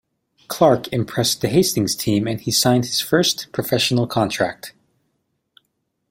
Clarke impressed the Hastings team and he signed his first professional contract.